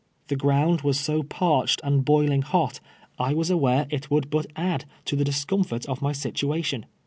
The ground was so parched and boiling hot I was aware it would but add to the discomfort of my situation.